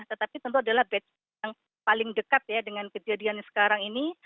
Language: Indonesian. tetapi tentu adalah batch yang paling dekat ya dengan kejadian sekarang ini